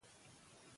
یووالی جګړه کموي.